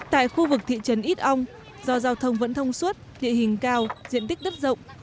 tại khu vực thị trấn ít âu do giao thông vẫn thông suất địa hình cao diện tích đất rộng